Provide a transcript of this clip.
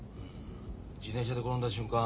自転車で転んだ瞬間